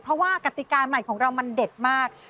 เพราะว่ากติกาใหม่ของเรามันเด็ดมาก